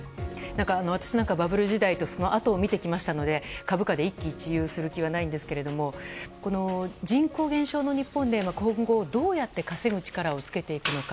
私はバブル時代とそのあとを見ていきましたので株価で一喜一憂する気はないんですが人口減少の日本で今後、どうやって稼ぐ力をつけていくのか。